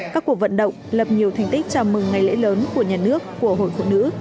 các cuộc vận động lập nhiều thành tích chào mừng ngày lễ lớn của nhà nước của hội phụ nữ